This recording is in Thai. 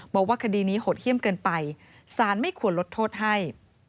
บอกว่าคดีนี้โหดเยี่ยมเกินไปสารไม่ควรลดโทษให้